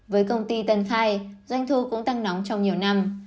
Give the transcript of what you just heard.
với công ty tân khai doanh thu cũng tăng nóng trong nhiều năm